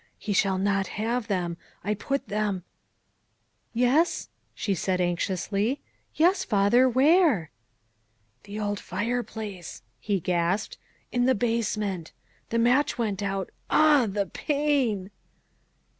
He shall not have them, I put them " Yes," she said anxiously, " yes, father, where?" " The old fireplace," he gasped, " in the basement. The match went out ah, the pain!"